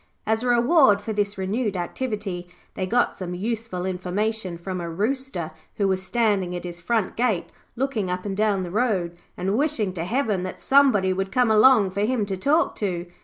As a reward for this renewed activity, they got some useful information from a Rooster who was standing at his front gate looking up and down the road, and wishing to heaven that somebody would come along for him to talk to.